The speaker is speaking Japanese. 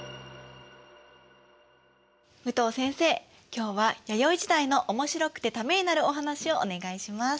今日は弥生時代のおもしろくてためになるお話をお願いします。